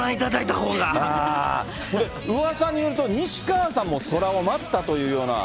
ほんで、うわさによると西川さんも空を舞ったというような。